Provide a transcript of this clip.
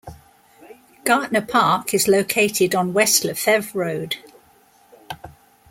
Gartner Park is located on West LeFevre Road.